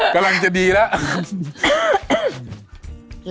กำลังจะดีแล้ว